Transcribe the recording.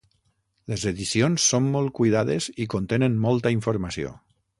Les edicions són molt cuidades i contenen molta informació.